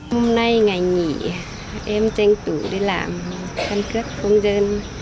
hôm nay ngày nghỉ em tranh thủ đi làm căn cước công dân